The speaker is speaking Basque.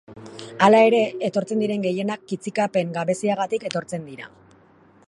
Hala ere, etortzen diren gehienak kitzikapen gabeziagatik etortzen dira.